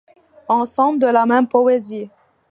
En somme, de la même poésie.